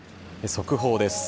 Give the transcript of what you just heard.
速報です。